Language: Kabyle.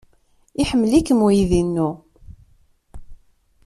Iḥemmel-ikem uydi-inu.